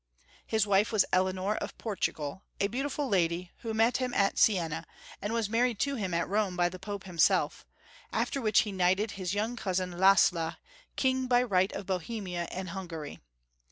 His wife was Eleanor of Portugal, a beauti ful lady who met him at Siena, and was mar ried to him at Rome by the Pope himself, after which he knighted his young cousin, Lassla, king by right of Bo hemia and Hungary.